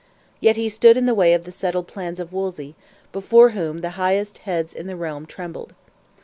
Yet he stood in the way of the settled plans of Wolsey, before whom the highest heads in the realm trembled.